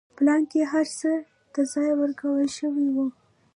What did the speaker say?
پلان کې هر څه ته ځای ورکړل شوی و.